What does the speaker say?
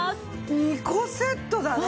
２個セットだね。